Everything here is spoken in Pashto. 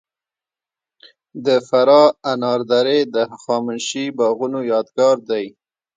د فراه انار درې د هخامنشي باغونو یادګار دی